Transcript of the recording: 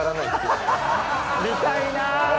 見たいな！